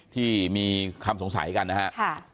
ที่มีคำสงสัยกันนะครับ